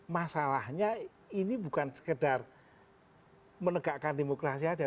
masalahnya ini bukan sekedar menegakkan demokrasi saja